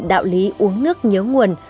đạo lý uống nước nhớ nguồn